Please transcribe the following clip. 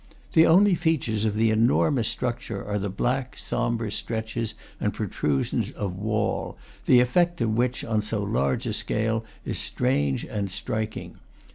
The only features of the enormous structure are the black, sombre stretches and protrusions of wall, the effect of which, on so large a scale, is strange and striking.